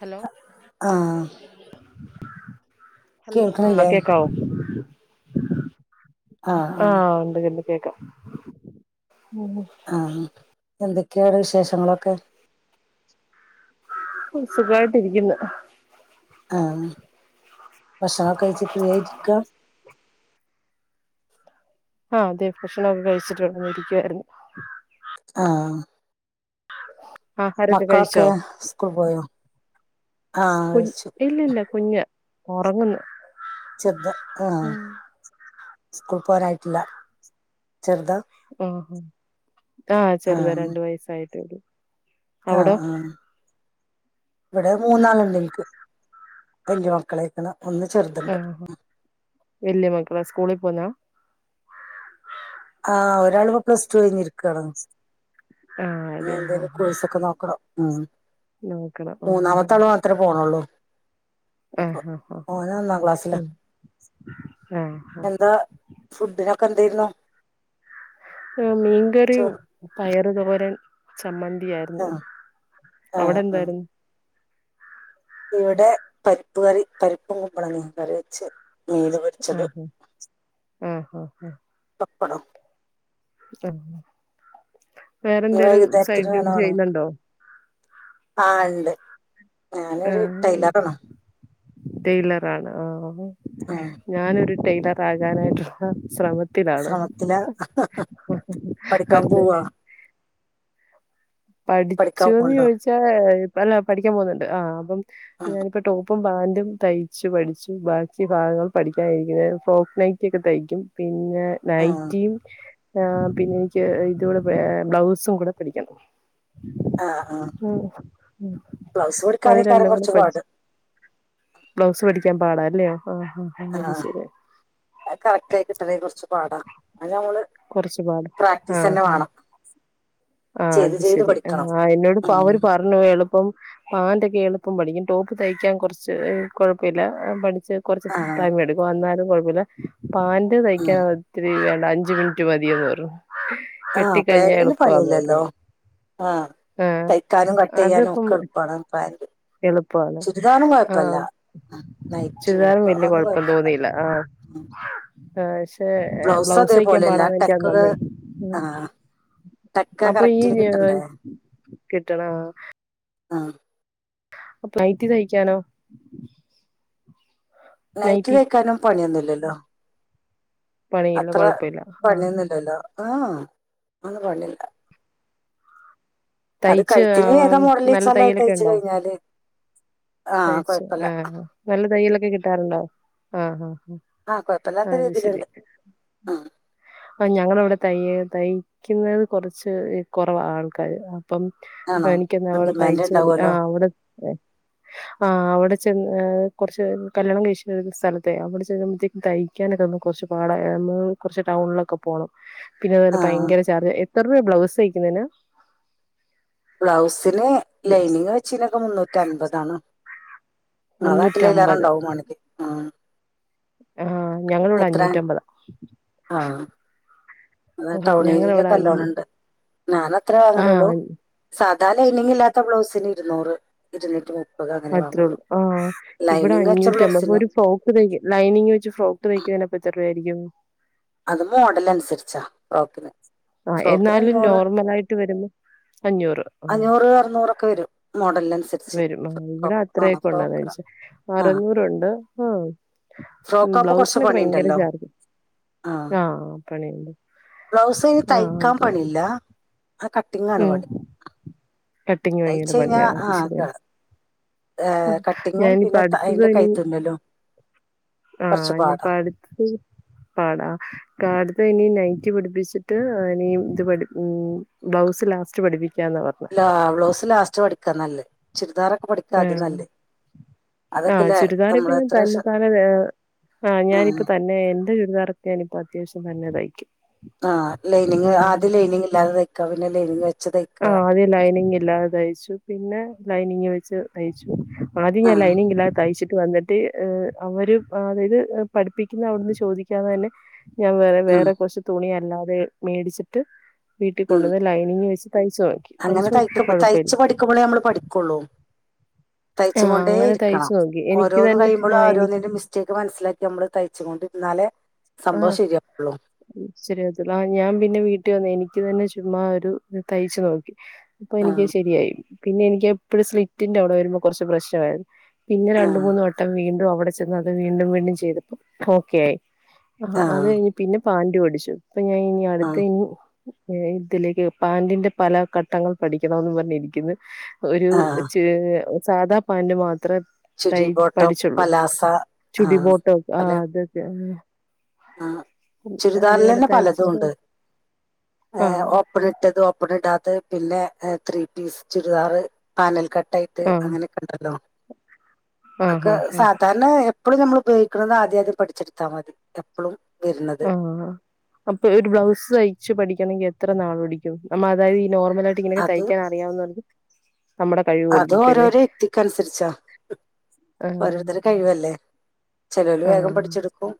Hello ആ hello ആ കേക്കാവോ ആഹ് ആ ആഹ് എന്തക്കണ്ട് കേക്കാം ആഹ് എന്തൊക്കെയാണ് വിശേഷങ്ങളൊക്കെ സുഖായിട്ടിരിക്കുന്നു ആ ഭക്ഷണൊക്കെ കഴിച്ച് ഫ്രീ ആയിരിക്ക ആ അതെ ഭക്ഷണക്കെ കഴിച്ചിട്ട് വന്നിരിക്കുവായിരുന്നു ആ ആ ആഹാരൊക്കെ കഴിച്ചോ സ്കൂൾ പോയോ ആഹ് കഴിച്ചു ഇല്ല ഇല്ല കഞ് ഒറങ്ങന്ന് ചെറുത് ആ സ്കൂൾ പോവാനായിട്ടില്ല ചെറുത ആ ആഹ് ചെറുതാ രണ്ട വയസായിട്ടെ ഒള്ളൂ ആ അവിടോ ആ ഇവിടെ മൂന്നാളുണ്ടിൻക്ക് വല്യ മക്കളയ്ക്ക്ണ് ആ വല്യ മക്കളാ സ്കൂളിൽ പോവുന്നാ ആഹ് ഒരാളിപ്പം പ്ലസ് ടു കഴിഞ്ഞിരിക്കണ് ആഹ് ഇനി അതെ എന്തേലും ആഹ് കോഴസൊക്കെ നോക്കണം ഉം നോക്കണം മൂന്നാമത്ത ആള് മാത്രമേ പോണള്ളൂ ഇപ്പൊ ഓന് ഒന്നാം ക്ലാസ്സില ആ ആ [unintelligible] ആ മീൻകറിയും ചോറ് പയറ് തോരൻ ചമ്മന്തി ആയിരുന്നു ആഹ് ആഹ് അവിടെ ആഹ് എന്തായിരുന്നു ഇവിടെ പരിപ്പ് കറി പരിപ്പും കുമ്പളങ്ങ കറി വെച്ച് മീന് ആ പൊരിച്ചതും ആ ആ ആ [unintelligible] ആ വേറെ ഇനി എന്തേലും സൈഡ് വൈകുന്നേരത്തിന് ജോലി വേണോണോ ചെയ്യുന്നുണ്ടോ ആഹ് ഉണ്ട് ആ ഞാനൊരു ടൈലറാണ് ടെയിലറ ആണ് ആ ആഹ് ഞാനൊരു ടെയിലർ ആകാനായിട്ടുള്ള ശ്രമത്തിലാണ് ശ്രമത്തില പഠിക്കാൻ അതെ പോവാ പഠിക്കാൻ പഠിച്ചുന്ന് പോണ്ടോ ചോദിച്ചാ അല്ല പഠിക്കാൻ പോവുന്നുണ്ട് ആ അപ്പം ആഹ് ഞാനിപ്പോ ടോപ്പ് പ്പും പാൻറും തയ്ച്ചു പഠിച്ചു ബാക്കി ഭാഗങ്ങൾ പഠിക്കാനായിരിക്കുന്നത് ഫ്രോക്ക് നൈറ്റ ഒക്കെ തയ്ക്കും പിന്നെ പിന്നെ ആഹ് നൈറ്റിയും ആ പിന്നെ എനിക്ക് ഇതൂടെ ബ്ലൗസും കൂടെ പടിക്കണം ആഹ് ആഹ് ഉം ബ്ലൗസ് അത് പഠിക്കാനേക്കാരം രണ്ടും കൂടി കുറച്ച് പാട് പഠിച്ചു ബ്ലൗസ് പഠിക്കാൻ പാടാല്ലയോ ആ ആ അത് ആഹ് ശരിയ അത് കറക്റ്റ് ആയി കിട്ടണെ കൊറച്ച് പാടാ അത് നമ്മള് കൊറച്ച് പാട് പ്രാക്ടീസ് തന്നെ വാണം ആ അത് ശരി ആ ആ എന്നോട് പ ഉം അവര് പറഞ്ഞു എളു പ്പം പാന്റൊക്കെ ആണ് ഇപ്പം പഠിക്കു ടോപ്പ് തയ്ക്കാൻ കൊറച്ച് കൊഴപ്പല്ല പഠി [unintelligible] കൊറച്ച് ആഹ് ടൈം എടുക്കും എന്നാലും കൊഴപ്പല്ല പാാന്റ് തയ്ക്കാൻ ഉം ഇത്തിരി അഞ്ചു മിനിറ്റ് മതിന്ന് പറും കിട്ടിക്കഴിഞ്ഞാൽ എളുപ്പന്ന് പറും ആ തയ്ക്കാനും കട്ട് ചെയ്യാനും അതിപ്പം ഒക്കെ എളുപ്പാണ് പാന്റ് എളുപ്പമാണ് ചുരിതാറും കൊഴപ്പല്ല ആഹ് നൈറ്റി ചുരിദാറും ക്ക വലിയ അതും കൊഴപ്പല്ല ഉഹ ആ ക്ഷേ ബ്ലൗസ് കഴിക്കാൻ ടക്ക് പാടാന്ന് ആ [unintelligible] ടക്ക് അപ്പൊ ഈ കറക്റ്റില് കിട്ടണ്ടേ കിട്ടണ ആഹ അപ്പ് നൈറ്റി തയ്ക്കാനോ നൈറ്റി തയ്ക്കാനും പണിയൊന്നുല്ലല്ലോ പണിയില്ല അത്ര കൊഴപ്പല്ല. ആഹ് പണിന്നുല്ലല്ലോ ആഹ ഒന്നും പണില്ല അത് തയ്ച്ച് കഴത്തിന് ഏതാ ആഹ് നല്ല മോഡലച്ചാല തയ്യലൊക്കെ തയ്ച്ച ഉണ്ടോ? കഴിഞ്ഞാല് ആ തയ്ച്ച് കുഴപ്പമില്ല ആഹ് നല്ല തയ്യലൊക്കെ കിട്ടാറുണ്ടാവോ ആഹ് ആഹ് ആ കുഴപ്പമില്ലാത്ത അത് ശരി രീതിയിലുണ്ട് ഉം ആ ഞങ്ങളവിടെ ത തയ്ക്കുന്നത് കൊറച്ച് കൊറവാ ആൾക്കാര് ആ അപ്പം ആണോ എനിക്കന്താ അവ്ടെ ഡിമാൻഡ് തയ്ച്ചോടി ആ ഉണ്ടാവുമല്ലോ അവിടെ ആ അവിടെ ചെന്ന കുറച്ച് കല്യാണം കഴശ സ്ഥലത്തെ അവിടെ ചെന്നുമ്പോഴത്തേക്കക്ക് തയ്ക്കാനൊക്കെ കൊറച്ച് പാട കുറച്ച് ടൗണിലൊക്കെ പോണം പിന്നെ അതുപോലെ ആ ഭയങ്കര ചാർജ് എത്തർവയ ബ്ലൗസ് തയ്ക്കുന്നന് ബ്ലൗസിന് ലൈനിങ് വെച്ചനൊക്കെ മുന്നൂറ്റി അൻമ്പതാണ് അതാട്ടില്ല മുന്നൂറ്റമ്പത് എല്ലാരുംണ്ടാവും മണക്ക് ഉ ആ ഞങ്ങളിവിടെ അഞ്ഞൂറ്റമ്പതാ അ ആ, ടൗൺ ഞങ്ങളിവിടെ അഞ്ഞൂ ഏരിയയിലക്കെല്ലോണംണ്ട് ഞാൻ അത്രേ വാങ്ങലള്ളൂ ആഹ് സാധാ ലൈനിംഗില്ലാത്ത ബ്ലൗസിന് ഇരുന്നൂറ് ഇരുന്നൂറ്റി അങ്ങനെ വാങ്ങുള്ളൂ അത്രേള്ളൂ ആ ഇവിടെ ലൈനിങ് വെച്ച അഞ്ഞൂറ്റ അപ്പൊ ബ്ലൗസിന് ഒരു ഫ്രോക്ക് ത ലൈനിങ് വെച് ഫ്രോക്ക് തക്ക ത്തർവയാരിക്കും അത് മോഡൽ അനുസരിച്ചാ ഫ്രോക്കിന് ആ ഫ്രോക്കിന് എന്നാലും അഞ്ഞൂറ് നോർമലായിട്ട് വരുമ്പോ അഞ്ഞൂറ് ആഹ് അഞ്ഞൂറ് അറുന്നൂറൊക്കെ വരും മോഡൽ ലെൻസ് വരും ഇവിടെ അത്രയക്കണ്ടന്ന്ച്ച ആ അറുന്നൂറണ്ട് ആ ഫ്രോക്ക് ആകുമ്പോൾ കുറച്ച് ബ്ലൗസിനൊക്കെ ഭയങ്കര പണിയുണ്ടല്ലോ ചാർജ ആ പണിണ്ട് ബ്ലൗസ്നി തയ്ക്കാൻ പണില്ല അ കട്ടിങ്ങ ആണ് ഉം പണി കട്ടിങ് ഭയങ്കര തയ്ച്ചഞ്ഞഞാ പണിയാ അത് ആ കേ ശരിയാണ് ഏ കട്ടിങ്ങും ഞാനിപ്പ പിന്നെ അതിന്റെ കൈ തുന്നലും ആഹ അനിപ്പ അടുത്തത് പാടാ കാടുത്ത് ഇനി നൈറ്റി പിടിപ്പിച്ചിട്ട് ഇനി ഇത് പ ഉ ബ്ലൗസ് ലാസ്റ്റ് പഠിക്കു ലല്ല ബ്ലൗസ് ലാസ്റ്റ് പടിക്കാ നല്ല ചുരിദാറൊക്കെ പടിക്കാ ആദ്യം നല്ല ആ ചുരിദാറ ഇപ്പ ഞാൻ തന്നെതാനെ ആഹ് ഞാനിപ്പ തന്നെ എന്റെ ഇതറക്കാന ഇപ്പോ അത്യാവശ്യം തന്നെതായിക്കും ആ ലൈനിങ് ആദ്യം ലൈനിങ് ഇല്ലാതെ തയ്ക്കാ ആ ആദ്യ ലൈനിങ് ഇല്ലാതെ തയ്ച്ചു പിന്നെ ങ്ങ് വെച്ച് തയ്ചു ആദ്യം ഞാ ആഹ് ലൈനിങില്ലാത തച്ചിട്ട് വന്നിട്ട് അവര് അതായത് പഠിപ്പിക്കുന്ന അവിടുന്ന് ചോദിക്കാതെ തന്നെ ഞാൻ വേറെ ഉം വേറെ കുറച്ച് തുണി അല്ലാതെ മേടിച്ചിട്ട് വീട്ടിൽ ഉം കൊണ്ടുവന്ന് ലൈനിങ് വെച്ച് തയ്ച്ചു നോക്കി അങ്ങനെ തയ്ച്ചു വോക്കിപ്പ തയ്ക്ക കൊഴപ്പമില്ല തയ്ച്ച് തയ്ച്ചുകൊണ്ടേ ഇരിക്കണം നോക്കി എനിക്ക് ഓരോന്ന് തന്നെ കഴിയുമ്പോഴും ആഹ് എനിക്ക് ഓരാന്നിന്റെ മിസ്റ്റേക്ക് മനസ്സ് ലയ്റ്റ് നമ്മള് തയ്ച്ചുകൊണ്ടിരുന്നാലെ ആ ശരിയവത്തൊള് ആ ഞാൻ പിന്നെ വീട്ടി വന്ന് എനിക്ക് തന്നെ ചുമ ഒരു തയ്ച്ചു നോക്കി അപ്പൊ എനിക്ക് ആഹ് ശരിയായി പിന്നെ എനിക്ക് എപ്പോഴും സ്ലിറ്റിന്റെ അവിടെ വരുമ്പോൾ കുറച്ച് പ്രശ്നമായിരുന്നു പിന്നെ രണ്ട ആഹ് മൂന്ന് വട്ടം വീണ്ടും അവ്ടെ ചെന്ന് അത് വീണ്ടും വീണ്ടും ചെയ്തപ്പം ഓക്കെ ആയി അത് ആഹ് കഴിഞ്ഞ് പിന്നെ പാന്റ് പടിച്ചു ഇപ്പൊ ഞാൻ ഇനി അടുത്ത ആഹ് ഇനി ഇതിലേക്ക് പാന്റിന്റെ പല ഘട്ടങ്ങൾ പഠിക്കണംമന്ന് പറഞ്ഞിരിക്കുന്നു ഒരു ആഹ് ച് സാദാ പാന്റ് മാത്രം അത്ര തൈ ചുരി ബോട്ടം പഠിച്ചുള്ളൂ പലാസ ആഹ് ചുടിമോട്ടക്കെ ആ പല അതക്കെ ആഹ് ചുരിദാറിലെന്നെ പലതൂ തയ്ച്ചിട്ട് ണ്ട്. ആ ഏഹ് ഓപ്പൺ ഇട്ടത്, ഓപ്പൺ ഇടാത്തത് പിന്നെ ത്രീ പീസ് ചുരിദാറ്. പാനൽ കട്ടായിട്ട് ആ അങ്ങനെക്കെ ഇണ്ടല്ലോ. ആഹ് അഒക്കെ ആഹ് സാധാരണ എപ്പളും ഞമ്മള് ഉപയോഗിക്ണത് ആദ്യ ആദ്യം പഠിച്ചെടുത്താ മതി. എപ്പളും ആഹ് അപ്പൊ ഒരു ബ്ലൗസ് തയിച്ച് പഠിക്കണങ്കി എത്ര നാൾ പിടിക്കും. നമ്മ അതായത് ഈ നോർമലായിട്ട് ഇങ്ങനൊക്കെ അത് തയ്ക്കാൻ അറിയാവുന്നവർക്ക് നമ്മുടെ കഴിവ് പോലെ അത് ഇരിക്കും അല്ലേ ഓരോരോ വ്യക്തിക്ക നുസരിച്ചാ. ആഹ് ഓരോരുത്തരെ കഴിവല്ലേ ചെലോല് ആഹ് വേഗം പഠിച്ചെടുക്കും.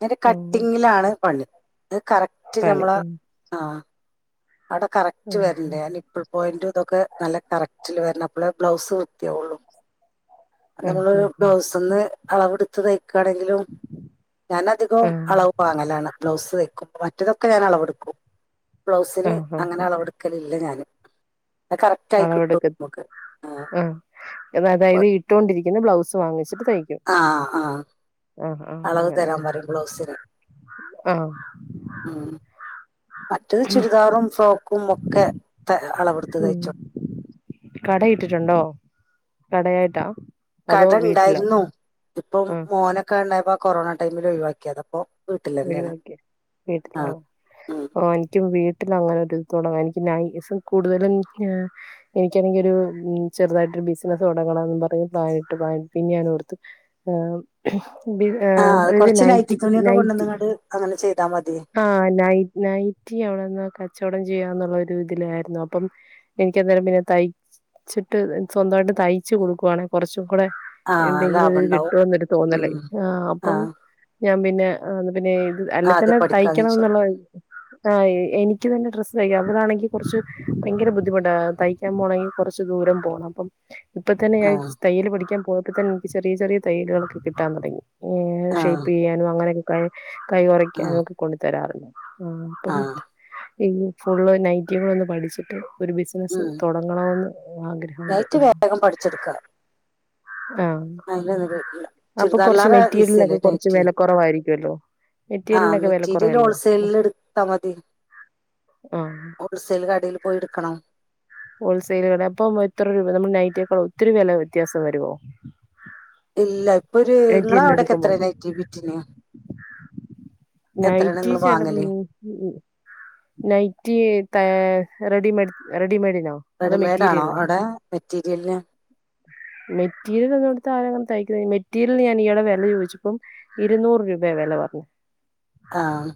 അയ്ൻ്റെ ആഹ് കട്ടിങ്ങിലാണ് പണി. അത് കറക്റ്റ് പണി ഞമ്മള് ഉം ആഹ് അവിടെ കറക്റ്റ് ആഹ് വര്ണ്ടേ അ നിപ്പ്ൾ പോയിന്റു ഇതൊക്കെ നല്ല കറക് റ്റില് വരണം. അപ്പെളേ ബ്ലൗസ് വൃത്തിയാവൊള്ളു കഅത് നമ്മളൊരു ആഹ് ബ്ലൗസ് ന്ന് അളവ് ട്ത്ത് തയ്ക്കാണെങ്കിലും ഞാൻ അധികവും ആഹ് അളവ് വാങ്ങലാണ് ബ്ലൗസ് തയ്ക്കുമ്പം. മ റ്റതൊക്കെ ഞാൻ അളവ് ട്ക്കും. ബ്ലൗസിന് ആഹ് ആഹ് അങ്ങനെ ആഹ് അളവ് ഇട്ക്കലില്ല ഞാന്. അത് കറക്റ്റ് ആയി കിട്ടും അളവടുക്കത്തി നമുക്ക് ആ ആഹ് എന്നാ അതായത് ഇട്ടൊണ്ടിരിക്കുന്ന ബ്ലൗസ് വാങ്ങി ആഹ് ആഹ് ആഹ് ആഹ് അളവ് അങ്ങനെ തരാൻ പറിം ബ്ലൗസിന് ആഹ് ഉം മറ്റത് ചുരിദാറും ഫ്രോ ക്കും ഒക്കെ തെ അളവ് ട്ത്ത് ഉം തയ്ച്ചൊ കട ഇട്ടിട്ടുണ്ടോ കടയായിട്ടാ? അതോ കട വീട്ടിലോ ഇണ്ടായിരുന്നു. ഇപ്പം ആഹ് മോനൊക്കെ ഇണ്ടായപ്പോ ആ കൊറോണ ടൈമിൽ ഒഴിവാക്കിയതാ അപ്പൊം ഒഴിവാക്കി. വീട്ടിലാണ്. ഉം. ഓഹ് ഇൻക്കും വീട്ടിലങ്ങനൊര് തുടങ്ങ. എനിക്ക് നൈസും കൂടുതലും ഏഹ് എനിക്കാണെങ്കി ഒരു ചെറുതായിട്ട് ഒരു ബിസിനസ് തൊടങ്ങാ ണം പറഞ്ഞ് പ്ലാനിട്ട് പാന് പിന്നെ ഞാനോർത്തു ഏഹ് ബി ആ അതായത് നൈറ്റി നൈ ന്നങ്ങാണ്ട് അങ്ങനെ ചെയ് ആഹ് നൈറ്റ് നൈറ്റി എവട്ന്നാ ക ച്ചോടം ചെയ്യന്നുള്ള ഒരു ഇതിലായിരുന്നു അപ്പം എനിക്ക് എന്തേരം പിന്നെ തൈ ച്ചിട്ട് സ്വന്തമായിട്ട് തയ്ച്ചു കൊടുക്കുവാണേ കൊർച്ച് കൂടെ ആ എന്തെങ്കിലും ലാഭം ഒരിത് ഉണ്ടാവും കിട്ടോന്നൊരു തോന്നല് ഉം. ആ അപ്പൊ ഞാൻ പിന്നെ പിന്നെ ഇത് ആ അല്ലതന്നെ ആദ്യം പഠിക്കാന്ന് തയ്ക്കണം വെച്ചു എന്നുള്ള ഒരു ആഹ് എനിക്ക് തന്നെ ഡ്രസ്സ് തയ്ക്കാം അപ്പതാണെങ്കി കൊർച്ച് ഭയങ്കര ബുദ്ധിമുട്ട് തയ്ക്കാൻ പോണങ്കി കുറച്ച് ദൂരം പോണം അപ്പം ഇപ്പതന്നെ ഞാൻ ആ തയ്യല് പഠിക്കാൻ പോയപ്പോ തന്നെ എനിക്ക് ചെറിയ ചെറിയ തയ്യലുകളൊക്കെ കിട്ടാൻ തൊടങ്ങി ഏ ആഹ് ഷേപ്പ് ചെയ്യാനും അങ്ങനെയൊക്കെ കൈ കുറയ്ക്കാനും ആഹ് ഒക്കെ കൊണ്ടു തരാറുണ്ട് ആഹ് അപ്പം ഇനി ഫുള്ള് നൈറ്റി കൂടെ ഒന്ന് പഠിച്ചിട്ട് ഒരു ബിസിനസ്സ് തുടങ്ങണമെന്ന് ആഗ്രഹമുണ്ട് നൈറ്റി വേഗം പഠിച്ചെടുക്കാ ആഹ് [unintelligible] അപ്പൊ കൊർച്ച് ചുരിദാറിലേറെ മെറ്റീരിയലൊക്കെ ഈസിയല്ലേ കൊർച്ച് നൈറ്റി വെലക്കുറവായിരിക്കുമല്ലോ ആഹ് മെറ്റീരിയല് ഹോൾസെയിലിൽ എടുത്താ മതി ആഹ് ഹോൾസെൽ കടിയിൽ പോയിട്ക്കണം ഹോൾസൈൽ കട അപ്പം എത്ര രൂപ നമ്മൾ നൈറ്റിക്കാളും ഒത്തിരി വെല വ്യത്യാസം വരോ ഇല്ല ഇപ്പൊര് എടുക്കുമ്പോ ഇങ്ങളവിടക്കെത്രേണ് നൈറ്റി ബിറ്റിന് എത്രയാണ് നൈറ്റി നിങ്ങൾ ചെലത് വാങ്ങല് ഉം ഉം നൈറ്റീ ഏ റെഡിമെഡ് റെഡിമേഡ് റെഡിമേടാണോ അവിടെ മെറ്റീരിയൽന് മെറ്റീരിയൽ ഒന്നും എടുത്താരും അങ്ങനെ തയ്ക്കുന്നെ മെറ്റീരിയൽ ഞാൻ ഈയിടെ വെല ചോയിച്ചപ്പം ഇുന്നൂറ് രൂപയാ വെല പർഞ്ഞ് ആഹ്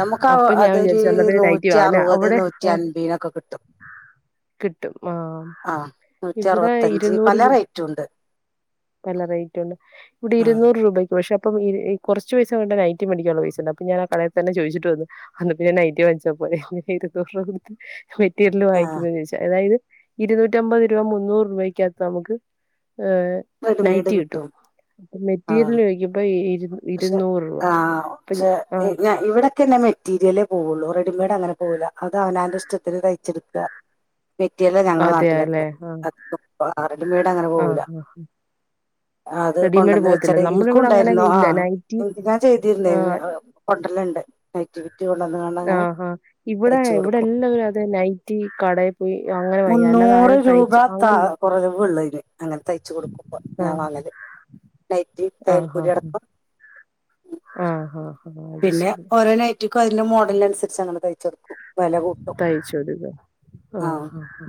നമുക്ക് ആ ഞാൻ അതൊരു വിചാരിച്ചു എന്നാ പിന്നെ നൈറ്റി നൂറ്റി വാങ്ങാം അറുപത് അവിടെ നൂറ്റി ആ അൻപയിനൊക്കെ കിട്ടും കിട്ടും ആ ആ നൂറ്റി അറുപത്തഞ്ച് പല [unintelligible] റേറ്റും ഉണ്ട് നല്ല റെയ്റ്റുണ്ട് ഇവടെ ആഹ് ഇരുന്നൂറ് രൂപക്ക് പക്ഷെ അപ്പം ഈ ഈ കൊറച്ച് പൈസ കൊണ്ട് നൈറ്റി മേടിക്കാനുള്ള പൈസ ഉണ്ട് അപ്പ ഞാൻ ആ കടെൽ തന്നെ ചോയിച്ചിട്ടു വന്നു അന്ന്ട്ട് ഞാൻ നൈറ്റി വ ങ്ങിച്ചാ പോരേ ഇരുന്നൂറെണ്ണം കൊട്ത്ത് മെറ്റീരിയൽ ആഹ് വാങ്ങിക്കുന്നേന്ന് ചോയിച്ച് അതായത് ഇരുന്നൂറ്റമ്പത് രൂപ മുന്നൂറ് രൂപയ്ക്കകത്ത് നമുക്ക് ഏ നൈറ്റി കിട്ടും അപ്പം ആഹ് മെറ്റീരിയല് ചോയിക്കുമ്പം ഇരു പക്ഷെ ഇരുന്നൂറ് രൂപ അപ്പം ആ ക്ക്ന്നെ മെറ്റീരിയലേ പോവോള്ളു റെഡിമെയ്ഡ് അങ്ങനെ പോവൂലാ അത് അവനാന്റെ ഇഷ്ടത്തിൻ തയ്ച്ചെടുക്കാ മെറ്റിരീയല് ഞങ്ങള അതെയ നാട്ടിലൊക്കെ അല്ലെ ആ അതികും റെഡിമെയ്ഡ് അങ്ങനെ ആ പോവുലാ അത് റെഡിമെയ്ഡ് കൊണ്ടന്ന് പോകത്തില്ല വെച്ചാല് നമ്മുടെ ഇൻക്കും ഇവിടെ അങ്ങനെ ഇണ്ടായിരുന്നു ആ ഇല്ല നൈറ്റി ഇൻക്ക് ഞാൻ ചെയ്തിര്ന്നേ ആ കൊണ്ടര്ൽ ഇണ്ട് ആ ആ ഇവടെ തയ്ച്ചു ഇവടെ കൊടുക്കും എല്ലാവരും അത് നൈറ്റി കടേ പോയി അങ്ങനെ വയ്യാൽ നൂറ് രൂപ താ കൊറവ് ഇള്ളെയിന് അങ്ങനെ തയ്ച്ച് കൊ കൊടുക്കുമ്പം ആഹ് ഞാൻ വാങ്ങല് നൈറ്റി തയ്യൽ കൂലി അടക്കം ഉം ആ ആഹ അത് ശെരി ശെരിക്കും അതിലെ മോഡലൻ അൻസരിച്ചാണ് ഞമ്മൾ തയ്ച്ച് കൊട്ക്കും തയ്ച്ചോരുക ആ ആഹ് ഹ ഹ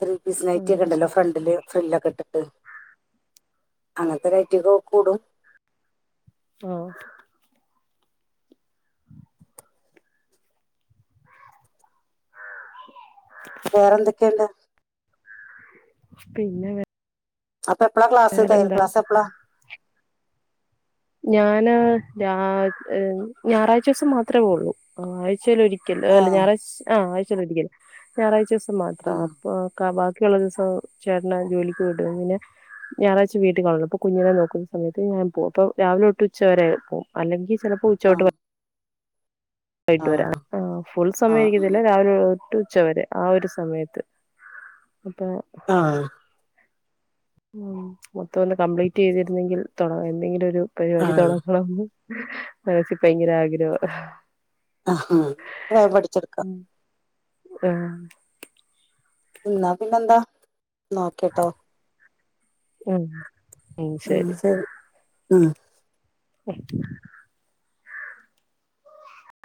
ത്രീ പീസ് നൈറ്റി ഒക്കെ ഇണ്ടല്ലോ ഫ്രണ്ടിൽ ഫ്രിൽ ഒക്കെ ഇ ഇട്ട്ട്ട് അങ്ങൻത്തെ നൈറ്റിയൊക്കെ കൂടും ആ വേറെ എന്തൊക്കെ ഇണ്ട് പിന്നെ ഇങ്ങ അപ്പം എപ്പളാ ക്ലാസ് തയ്യൽ ക്ലാസ് എപ്പളാ ഞാന് ഞാൻ ഹ് ഞായറാഴ്ച്ചുസം മാത്രേ പോവുള്ളൂ ആ ആഴ്ചേൽ ഒരി ക്കൽ ആ അതല്ല ഞായറാഴ്ച് ആഹ ആഴ്ചേൽ ഒരിക്കൽ ഞായറാഴ്ച ദിവസം ആ മാത്രം അപ്പം കപാ ക്കിയുള്ള ദിവസം ചേട്ടനെ ജോലിക്ക് വിടും പിന്നെ ഞായറാഴ്ച വീട്ടി കാണും അപ്പ കുഞ്ഞിനെ നോക്കുന്ന സമയത്ത് ഞാൻ പോവും അപ്പം രാവിലൊട്ട് ഉച്ച വരെ പോവും അല്ലെങ്കി ചെലപ്പോ ഉച്ച ആ തൊട്ട് വ വൈട്ട് ആ വരും അങ്ങനെ ഫുൾ ആ സമയം ഇരിക്കത്തില്ല രാവിലെ തൊട്ട് ഉച്ചവരെ ആ ഒരു സമയത്ത് അപ്പം ആ ഉം മൊത്തം ഒന്ന് കംപ്ലീറ്റ് ചെയ്തിര്ന്നെങ്കിൽ തൊടങ്ങ എന്തെങ്കിലും ഒരു ആ പരിപാടി തൊടങ്ങണംന്ന് മനസി ഭയങ്കര ആഗ്രഹാ ഒക്കെ വേം പടിച്ചെടുക്കാ ഉം ഇന്നാ പിന്നെ എന്താ ഇന്നാ ഓക്കെട്ടോ ഉം ഉം ശെരി ശരി ഉം